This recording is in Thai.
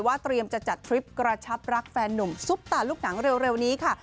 เตรียมจะจัดทริปกระชับรักแฟนนุ่มซุปตาลูกหนังเร็วนี้ค่ะ